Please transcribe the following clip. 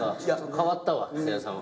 変わったわせいやさんは。